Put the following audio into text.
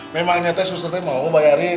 memang nyatanya susternya mau bayarin